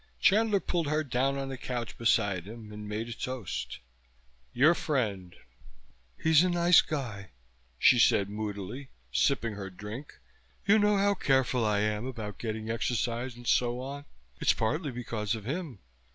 Chandler pulled her down on the couch beside him and made a toast. "Your friend." "He's a nice guy," she said moodily, sipping her drink. "You know how careful I am about getting exercise and so on? It's partly because of him.